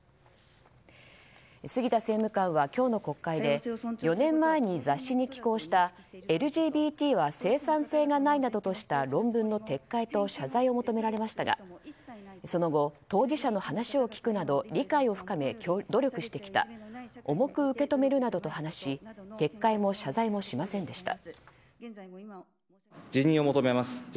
杉田政務官は今日の国会で４年前に雑誌に寄稿したＬＧＢＴは生産性がないなどとした論文の撤回と謝罪を求められましたがその後、当事者の話を聞くなど理解を深め努力してきた重く受け止めるなどと話し撤回も謝罪もしませんでした。